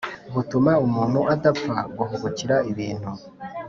butuma umuntu adapfa guhubukira ibintu.